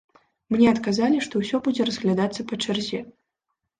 Мне адказалі, што ўсё будзе разглядацца па чарзе.